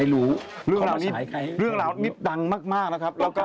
เรื่องราวนี้เรื่องราวนี้ดังมากแล้วก็แล้วก็